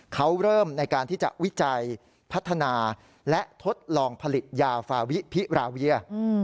เขาเริ่มในการที่จะวิจัยพัฒนาและทดลองผลิตยาฟาวิพิราเวีย